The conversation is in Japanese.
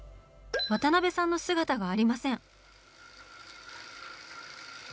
渡辺さんの姿がありません。